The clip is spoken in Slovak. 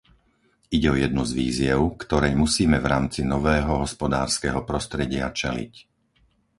Ide o jednu z výziev, ktorej musíme v rámci nového hospodárskeho prostredia čeliť.